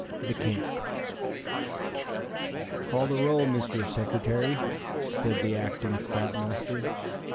THE CAMP. "Call the roll, Mr. Secretary," said the acting scoutmaster.